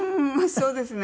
そうですね。